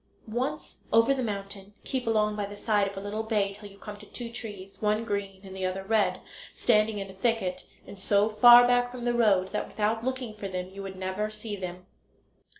Once over the mountain keep along by the side of a little bay till you come to two trees, one green and the other red, standing in a thicket, and so far back from the road that without looking for them you would never see them.